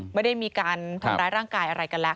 ไม่ได้มีการทำร้ายร่างกายอะไรกันแล้ว